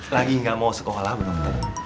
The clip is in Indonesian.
lagi gak mau sekolah bu dokter